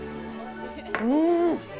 うん。